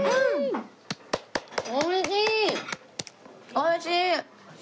おいしい！